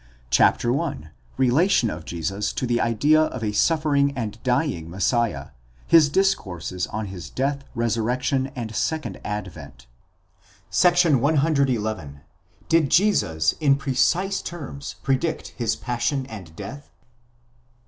CHAPTER I, RELATION OF JESUS TO THE IDEA OF A SUFFERING AND DYING MESSIAH; HIS DISCOURSES ON HIS DEATH, RESURRECTION, AND SECOND ADVENT. § IIt. DID JESUS IN PRECISE TERMS PREDICT HIS PASSION AND DEATH?